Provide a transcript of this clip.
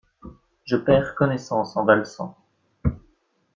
Je perds connaissance en valsant.